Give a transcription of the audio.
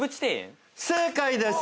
正解です！